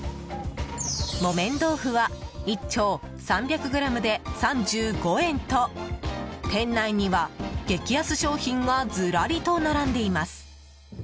木綿豆腐は１丁３００ｇで３５円と店内には激安商品がすらりと並んでいます。